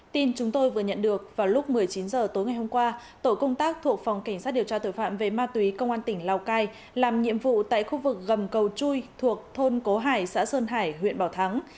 tin chúng tôi vừa nhận được vào lúc một mươi chín h tối ngày hôm qua tổ công tác thuộc phòng cảnh sát điều tra tội phạm về ma túy công an tỉnh lào cai làm nhiệm vụ tại khu vực gầm cầu chui thuộc thôn cố hải xã sơn hải huyện bảo thắng